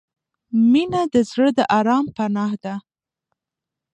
• مینه د زړه د آرام پناه ده.